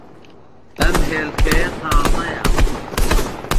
ئەم ھێلکەیە تازەیە.